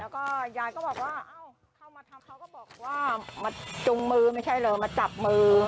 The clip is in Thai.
แล้วก็ยายก็บอกว่าเอ้าเข้ามาทำเขาก็บอกว่ามาจุงมือไม่ใช่เหรอมาจับมือ